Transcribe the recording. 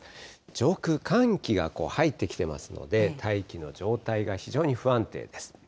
上空、寒気が入ってきていますので、大気の状態が非常に不安定です。